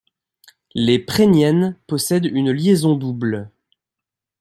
Les prégnènes possède une liaison double.